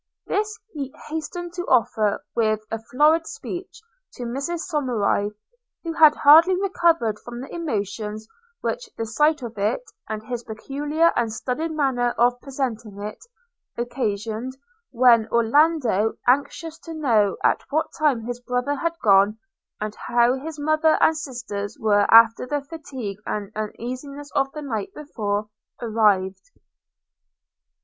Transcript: This he hastened to offer, with a florid speech, to Mrs Somerive; who had hardly recovered from the emotions which the sight of it, and his peculiar and studied manner of presenting it, occasioned, when Orlando, anxious to know at what time his brother had got home, and how his mother and sisters were after the fatigue and uneasiness of the night before, arrived.